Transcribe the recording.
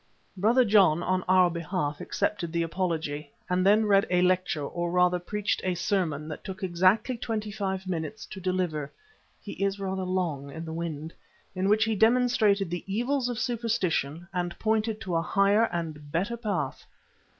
'" Brother John, on our behalf, accepted the apology, and then read a lecture, or rather preached a sermon, that took exactly twenty five minutes to deliver (he is rather long in the wind), in which he demonstrated the evils of superstition and pointed to a higher and a better path.